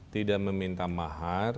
tidak meminta mahar